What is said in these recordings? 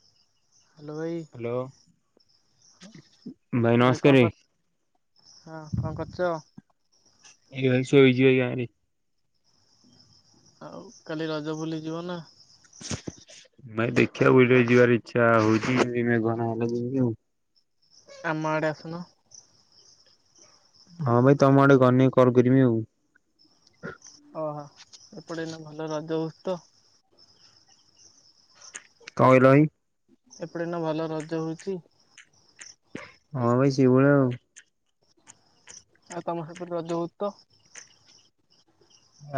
[inaudible] Hello ଭାଇ hello ଭାଇ ତ ନମସ୍କାର କଣ କର ହଁ କଣ କରୁଛ? ଟିକେ ଭାଇ ଶୋଇଚି ଏଇ ଗାଁ ରେ। ଆଉ କାଲି ରଜ ବୁଲି ଯିବ ନା? ଭାଇ ଦେଖିବାକୁ [unintelligible] ଯିବାର ଇଚ୍ଛା ହଉଛି ଘର [unintelligible] ଆମ ଆଡେ ଆସୁନ। ହଁ ଭାଇ ତମ ଆଡେ ଗନେ କଲ କରିବି ଆଉ। ଓହୋ ଏପଟେ ଏନା ଭଲ ରଜ ହଉଛି ତ? କଣ କହିଲା ଭାଇ? ସେପଟେ ଏଇନା ଭଲ ରଜ ହଉଛି? ହଁ ଭାଇ ସେଇଭଳିଆ ଆଉ। ଆଉ ତମ ସେପଟେ ରଜ ହଉଚି ତ?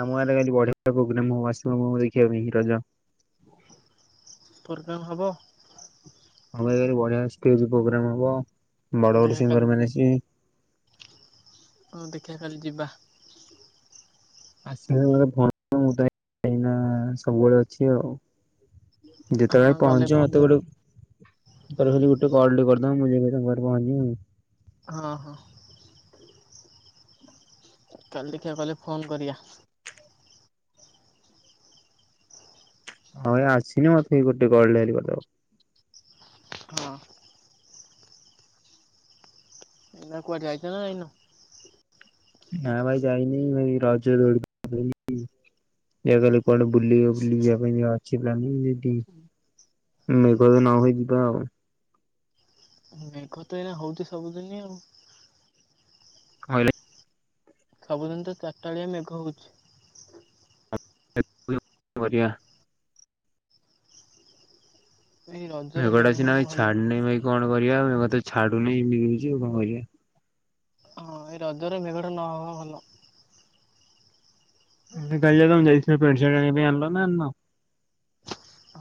ଆମ ଗାଁ ରେ କାଲି ବଢିଆ ପୋଗ୍ରାମ ହବ ଆସିବ [unintelligible] ଦେଖିବା ପାଇଁ ହିଁ ରଜ। [unintelligible] ପୋଗ୍ରାମ ହବ? ହଁ ଭାଇ ଏରା ବଢଆ ଷ୍ଟେଜ ପ୍ରୋଗ୍ରାମ ହବ ହଉ ବଡ ବଡ ଦେଖିଆ କାଲି ସିଙ୍ଗର ମାନେ ଆସିବେ। ହଁ ଦେଖିବା କାଲି ଯିବା। ଆସିଲେ [unintelligible] ମୁଁ ତ ଏଇନା ସବୁବେଳେ ଅଛି ଆଉ। ଯେତେବେଳେ ହଁ ଗଲେ ପହଞ୍ଚିବ ଫୋନ ମତେ ଗୋଟେ କରିବି ତ ଖାଲି ଗୋଟେ କଲ ଟେ କରିଦବ ମୁଁ ଯିବି ତୁମ ପାଖରେ ପହଞ୍ଚିବି। ହଁ ହଁ କାଲି ଦେଖିବା ଗଲେ ଫୋନ କରିଆ। ହଁ ଏ ଆସିନି ମତେଇ ଗୋଟେ କଲ ଡାଏଲ କରିଦବ। ହଁ। ନା କୁଆଡେ ଯାଇଛ ନା ଯାଇନୁ? ନାଁ ଭାଇ ଯାଇନି ଭାଇ [unintelligible] [unintelligible] କୁଆଡେ ବୁଲିବ ବୁଲିଯିବା ପାଇଁ ଅଚି ପ୍ଳାଣ୍ଣିଙ୍ଗ। ଟି [unintelligible] ନ ହେଇଯିବା ଆଉ। ହୁଁ, ମେଘତ ଏଇନା ହଉଛି ସବୁଦିନ ଆଉ। କହିଲେ ସବୁଦିନ ତ ଚାରିଟାବେଳିଆ ମେଘ ହଉଛି। [inaudible] ବଢ଼ିଆ। ଏଇ ରଜରେ ମେଘ ମେଘଟା ସିନା ନହେଲେ ଭାଇ ଭଲ ଛାଡୁନି ଭାଇ କଣ କରିବା? ମେଘତ ଛାଡୁନି [inaudible] କିଛି ଆଉ କଣ କରିବା? ହଁ, ଏଇ ରଜରେ ମେଘଟା ନ ହବା ଭଲ। ଭାଇ ତମେ ଯାଇଥିଲ ପ୍ୟାଣ୍ଟସାର୍ଟ ଆଣିବାପାଇଁ। ଆଣିଲ ନା ଆଣିନ?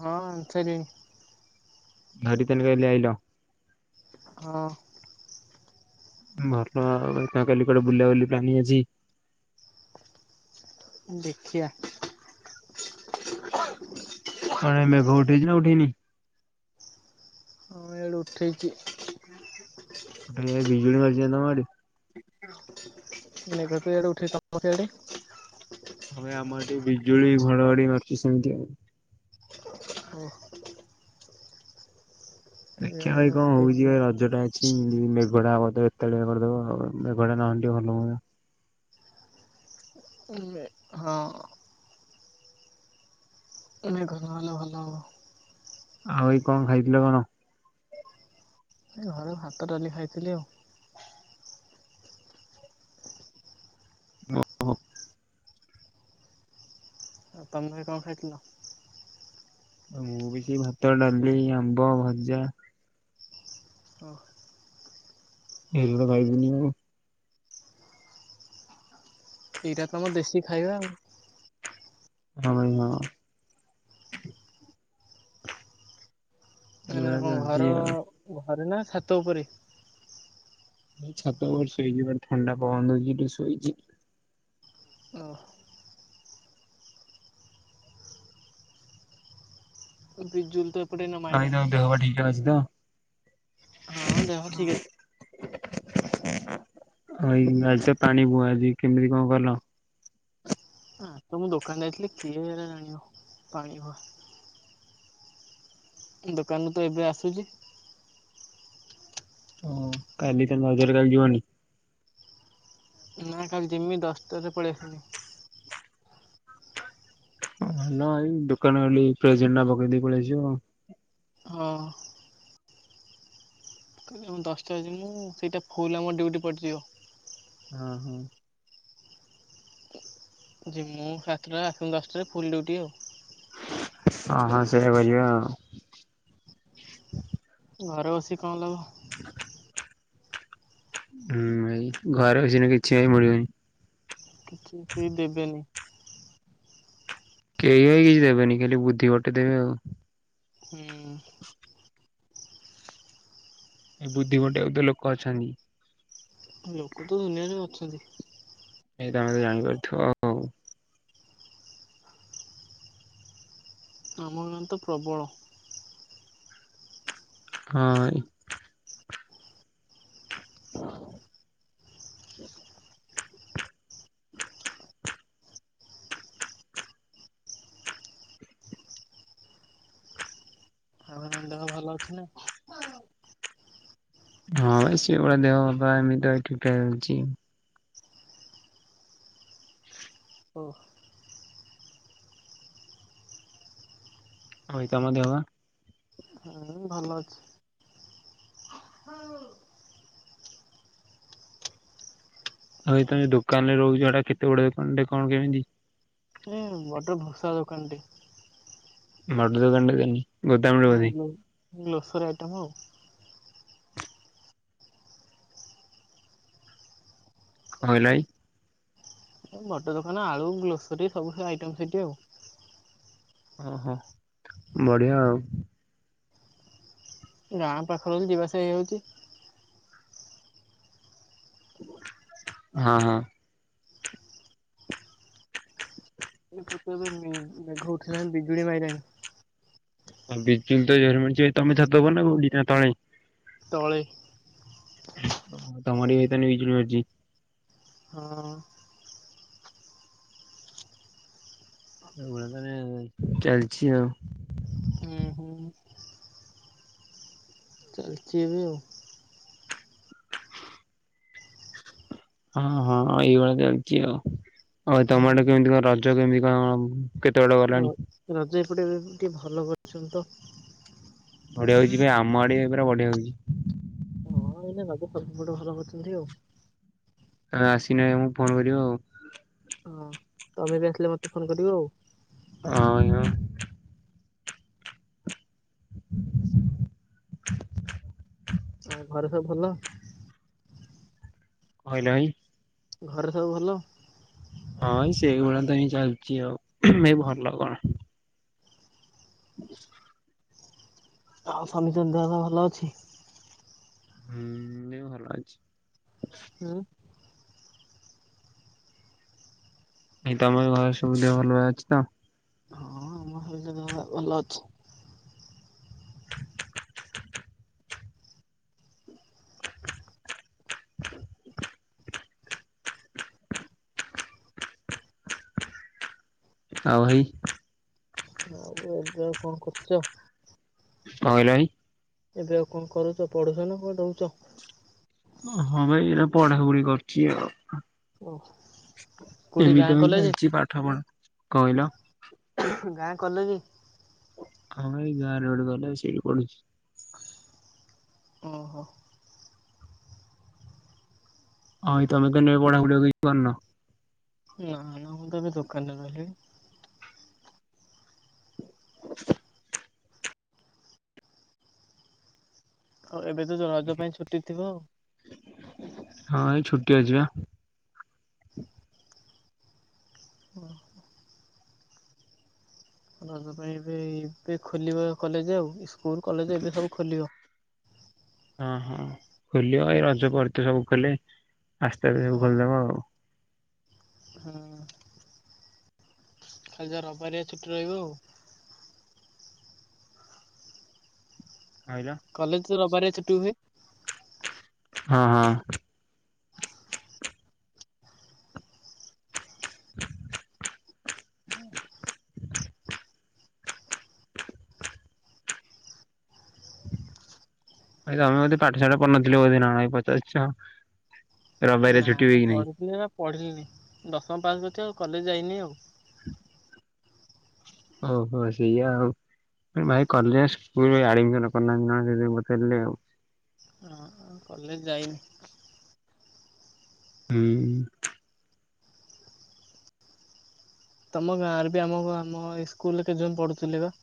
ହଁ ଆଣିସାରିଲିନି। ଧରି କିନି ତାହାଲେ ଆଇଲ। ହଁ ଭଲ କହଲି କୁଆଡେ ବୁଲା ବୁଲି ପ୍ଲାନିଙ୍ଗ ଆଜି। ଦେଖିଆ? ତମ ଆଡେ ମେଘ ଉଠେଇଛି ନା ଉଠେଇନି? ହଁ ଏଇଆଡୁ ଉଠେଇଛି। କାଲି ବୋଧେ ବିଜୁଳି ମାରିଥିଲା ତମ ଆଡେ? [inaudible] ହଁ ଭାଇ ଆମଆଡେ ଟିକେ ବିଜୁଳି ଘଡଘଡି ମାରଚି ସେମିତି ଆଉ ଓହ। ଦେଖିବା ଇଆଡେ ଭାଇ ଏଇନା କଣ ହଉଛି ଉଠେଇଥିଲା। ଭାଇ ରଜଟା ଆ [inaudible] ହବ ଏତ କରିଦ ମେଘଟା ନହେଲେ ଟିକେ ଭଲ ହୁଅନ୍ତା। ସେ ମେଘ ମେଘ ନହେଲେ ଭଲ ହବ। ଆଉ ଏଇ କଣ ଖାଇଥିଲ କଣ? ଏ ଘରେ ଭାତଡାଲି ଖାଇଥିଲି ଆଉ [inaudible] ଆଉ ତମେ କଣ ଖାଇଥିଲ? ମୁଁ ବି ସେ ଭାତ ଡାଲି ଆମ୍ବ ଭଜା। ଓହ୍। [unintelligible] ଏଇଟା ତ ଆମ ଦେଶୀ ଖାଇବା ଆଉ ହଁ ଭାଇ ହଁ। କଣ ଏଇଭଳିଆ ଏଇନା ଚାଲିଛି ଘରୁ, ଆଉ। ଘରେ ନା ଛାତ ଉପରେ? ଏଇ ଛାତ ଉପରେ ଶୋଇଚିବା ଥଣ୍ଡା ପବନ ଦଉଚି ଟିକେ ଶୋଇଚି। ଓ। [inaudible] ମାଇଲାଣି ଆଇନାଙ୍କ ଦେହ ବା ଠିକ ଅଛି ତ? ହଁ ଦେହ ଠିକ୍ ଅଛ ଆଇ ଆଜି ତ ପାଣି ବୁହାଵୁହି ଆଜି କେମିତି କଣ କଲ? ହାଁ ତ ମୁଁ ଦୋକାନରେ ଯାଇଥିଲି କିଏ ଏରା ଆଣିବ? ପାଣି ହୁଆ। ଦୋକାନରୁ ତ ଏବେ ଆସୁଛି। ଓ କାଲି ତ ନଜର ଲାଗିବନି? ନା କାଲି ଯିମି ଦଶଟାରେ ପଳେଇ ଆସିବି। ହ ହଲ ଆଇ ଦୋକାନ ଖାଲି ପ୍ରେଜେଣ୍ଟଟା ପକେଇ ଦେଇ ପଳେଇଆସିବ ଆଉ। ହଁ। ମୁଁ ଦଶଟାରେ ଯିବୁ ସେଇଟା ଫୁଲ୍ ଆମର ଡ୍ୟୁଟି ପଡିଯିବ। ହଁ ହଁ। ଯିମୁଁ ସାତଟା ଆସୁ ଦଶଟାରେ ଫୁଲ ଡୁଟି ଆଉ ଓ ହଁ ସେଇଆ କହିଚି ପା ଘରେ ବସିିକି କଣ ଲାଭ? [unintelligible] ହୁଁ ଭାଇ ଘରେ ବସିକିନା କିଛି ଭାଇ ମିଳିବନି। କିଛି କେହି ଦେବେନି କେହି ଭି କିଛି ଦେବେନି ଖାଲି ବୁଦ୍ଧି ବତେଇ ଦେବେ ଆଉ। ହୁଁ। [unintelligible] ଏ ବୁଦ୍ଧି ବଟେଇ ବାକୁ ତ ଲୋକ ଅଛନ୍ତି। ଲୋକ ତ ଦୁନିଆରେ ଅଛନ୍ତି। ଏଇ ଟା ଆମେ ଜାଣିପାରୁଥିବ ଆଉ। ଆମ ଗାଁ ରେ ତ ପ୍ରବଳ। ହଁ। ହଁ ଭଲ ଅଛି ନା? ହଁ ଭାଇ ସେଇ ଭଳିଆ ଦେହ ଏମିତି ଠିକ୍ ଠାକ ଚାଲିଚି। ଓହଃ। ଆଉ ଭାଇ ତମ ଦେହ ପା? ହୁଁ ଭଲ ଅଛି। [unintelligible] ଆଉ ଭାଇ ତମେ ଦୋକାନ ରେ ରହୁଚ ସେଇଟା କେତେ ବଡ ଦୋକାନ ଟେ କଣ କେମିତି? [inaudible] ଭଷା ଦୋକାନ ଟେ। ବଡ ଦୋକାନ ଟେ [unintelligible] ହଁ ଯୋଉ ଗ୍ଲୋସାରୀ ଆଇଟମ୍ ଆଉ। କଣ କହିଲ ଭାଇ? ଏ ବଡ ଦୋକାନ ଆଳୁ ଗ୍ଲୋସରୀ ସବୁ ଆଇଟମ୍ ସେଇଠି ଆଉ। ଓହୋ ବଢିଆ ଆଉ। ଗାଁ ପାଖରେ ଅଛି ଯିବାଆସିବା ହେଇଯାଉଚି। ହଁ ହଁ। ଏ [unintelligible] ମେଘ ଉଠେଇଲାଣି ବିଜୁଳି ମାଇଲାଣି। ହଉ ବିଜୁଳି ତ ଜୋର ରେ ମାରୁଚି ଭାଇ ଛାତ ଉପରେ ନା ତଳେ? ତଳେ। ତମ ଆଡ଼େ ଭାଇ ତା ମାନେ ବିଜୁଳି ମାରୁଚି? ହଁ ଅଁ। ଏଭଳିଆ ତାହାଲେ ଚାଲିଛି ଆଉ। ହୁଁ ହୁଁ। ଚାଲିଚି ଏବେ ଆଉ। ହଁ ହଁ ଏଇଭଳିଆ ଚାଲିଚି ଆଉ, ଆଉ ତମ ହଁ ଆଡ଼େ କେମିତି କଣ ରଜ କେମିତି କଣ ଅ କେତେ ବାଟ ଗଲାଣି? ରଜ ଏପଟେ ଟିକେ ଭଲ କରିଛନ୍ତି ତ। ବଢିଆ ହୋଉଚି ଭାଇ ଆମ ଆଡେ ଏ ପୁରା ବଢିଆ ହୋଉଚି। ହଁ ଏଇନା ରଜ ସବୁ ଆଡ଼େ ଭଲ କରିୁଛନ୍ତି ଆଉ। ଆସିନ ନାଇଁ ଭାଇ ଆମକୁ ଫୋନ କରିବ ଆଉ। ହଁ ତମେ ବି ଆସିଲେ ମୋତେ ଫୋନ କରିବ ଆଉ। ହଁଁ ଆଉ ଘରେ ସବୁ ଭଲ? କଣ କହିଲ ଭାଇ? ଘରେ ସବୁ ଭଲ? ହଁ ଭାଇ ସେଭଳିଆ ତ ହିଁ ଚାଲିଛି ଆଉ ଭଲ କଣ। [unintelligible] ଆଉ ସମସ୍ତ ଙ୍କ ଦେହ ପା ଭଲ ଅଛି? ହୁଁ ଏ ଭଲ ଅଛି। ହୁଁ। ଏଇ ତମ ଘରେ ସବୁ ଦେହ ଭଲ ଅଛି ତ? ହଁ ଆମ ଘରେ ସମସ୍ତଙ୍କର ଦେହ ଭଲ ଅଛି। ଆଉ ଭାଇ ଆଉ ଏବେ ଆଉ କଣ କରୁଚ। କଂ କହିଲ ଭାଈ। ଏବେ ଆଉ କଣ କରୁଛ ପଢୁଛ ନା କୁଆଡ଼େ ରଉଚ। ହଁ ଭାଇ ଏଇନା ପଢାପଢି କରୁଛି ଆଉ। ଓ କୋଉଠି ଗାଁ ଏମିତି ଭାଇ କଲେଜ ଚାଲିଛି ପାଠ ପଢା କଣ କହିଲ। ଗାଁ କଲେଜ। ହଁ ଏଇ ଗାଁରେ ଗୋଟେ କଲେଜ ସେଇଠି ପଢୁଛି। ଓହୋ। ହଁ ଭାଇ ତମେ ତାନେ ଆଉ ପଢାପଡି ଆଉ କିଛି କରୁନ। ନା ନା ମୁଁ ତ ଏଵେ ଦୋକାନରେ ରହିଲି। [inaudible] ଆଉ ଏବେ ତ ଯୋଉ ରଜ ପାଇଁ ଛୁଟି ଥିବ ଆଉ। ହଁ ଏଇ ଛୁଟି ଅଛିି ବା। ହଁ। ରଜ ପାଇଁ ଏବେ ଏବେ ଖୋଲିବ କଲେଜ ଆଉ ସ୍କୁଲ କଲେଜ ଏବେ ସବୁ ଖୋଲିବ। ହଁ ହଁ ଖୋଲିବ ଏଇ ରଜ ପରେ ତ ସବୁ ଖୋଲେ ଆସ୍ତେ ଆସ୍ତେ ସବୁ ହଁ ଖୋଲିଦବ ଆଉ। ହୁଁ ଖାଲି ଯା ରବିବାରିଆ ଛୁଟି ରହିବ ଆଉ। [unintelligible] କଲେଜ ତ ରବିବାରିଆ ଛୁଟି ହୁଏ। ହଁ ହଁ। [inaudible] ଭାଇ ତମେ ବୋଧେ ପାଠଶାଠ ପଢୁନଥିଲ ବୋଧେ ନା କଣ ପଚାରୁଚ ରବାରିଆ ଛୁଟି ହୁଏ କି ନାଇଁ। ପଢ଼ିନି ଦଶମ ପାସ୍ କରିଛି ଆଉ କଲେଜ ଯାଇନି ଆଉ। ଓହୋ ସେଇୟା ଆଉ। ଭାଇ କଲେସ ସ୍କୁଲ ଆଡମିସନ କରିନାହାନ୍ତି ନା କଣ ସେଥି ପାଇଁ ପଚାରିଲେ ଆଉ। ହ କଲେଜ ଯାଇନି। ହୁଁ। ତମ ଗାଁ ରେ ବି ଆମ ଗ ଆମ ସ୍କୁଲରେ କେଜଣ ପଢୁଥିଲେ ଵା।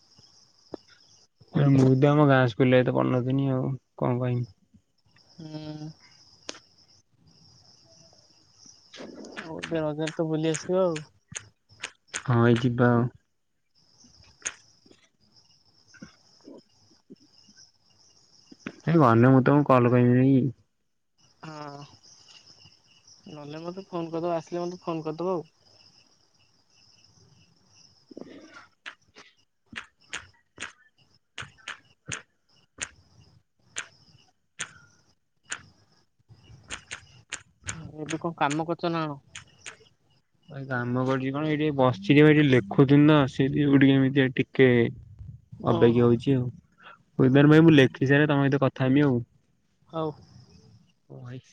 ଏ ମୁଁ ତ ଆମ ଗାଁ ସ୍କୁଲ ରେ ତ ପଢିନଥିଲି ଆଉ କଣ କହିମି। ହୁଁ। ଆଉ ଏବେ ରଜରେ ତ ବୁଲି ଆସିବ ଆଉ। ହଁ ଭାଇ ଯିବା ଆଉ। ଗଲେ ମୁଁ ତମକୁ କଲ କରିବିିନି କି। ହଁ ଗଲେ ମୋତେ ଫୋନ କରିଦେବ ଆସିଲେ ମୋତେ ଫୋନ କରିଦେବ ଆଉ। ଏବେ କଣ କାମ କରୁଛ ନା କଣ। କାମ କରୁଚି କଣ ଏଇଠି ଏ ବସିଛି ଟି ଭାଇ ଟି ଲେଖୁଥିଲି ତ ସେଇ ଯୋଗୁ ଟିକେ ଏମିତି ଟିକେ ଓହୋ ଅବେଗା ହଉଛି ଆଉ ହଉ ଭାଇ ତାନେ ମୁଁ ଲେଖି ସାଇନେ ତମ ସହିତ କଥା ହେମି ଆଉ। ହଉ। ଓ ଭାଇ।